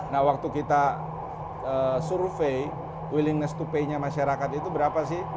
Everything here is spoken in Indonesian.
nah waktu kita survei willingness to pay nya masyarakat itu berapa sih